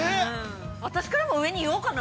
私からも上に言おうかな。